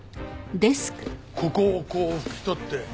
ここをこう拭き取って。